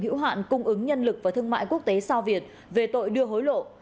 hữu hạn cung ứng nhân lực và thương mại quốc tế sao việt về tội đưa hối lộ